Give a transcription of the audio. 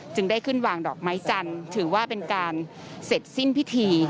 ได้ขึ้นวางดอกไม้จันทร์ถือว่าเป็นการเสร็จสิ้นพิธี